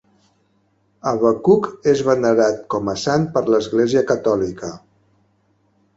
Habacuc és venerat com a sant per l'Església Catòlica.